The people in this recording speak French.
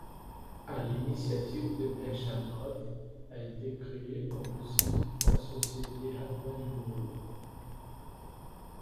À l'initiative de Merjanov, a été créée en Russie la Société Rachmaninov.